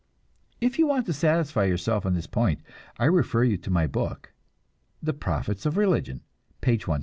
If you want to satisfy yourself on this point, I refer you to my book "The Profits of Religion," page 129.